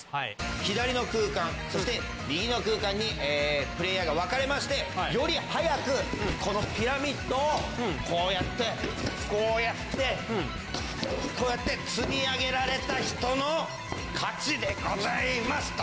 左の空間そして右の空間にプレーヤーが分かれましてより早くこのピラミッドをこうやってこうやってこうやって積み上げられた人の勝ちでございます！